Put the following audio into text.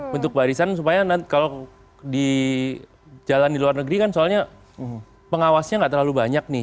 bentuk barisan supaya kalau di jalan di luar negeri kan soalnya pengawasnya nggak terlalu banyak nih